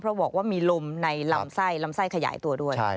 เพราะบอกว่ามีลมในลำไส้ลำไส้ขยายตัวด้วย